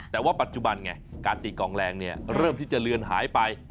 แต่ว่าปัจจุบันไงการตีกองแรงเนี่ยเริ่มที่จะเลือนหายไป